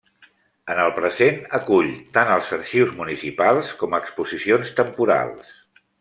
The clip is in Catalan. En el present acull tant els arxius municipals com exposicions temporals.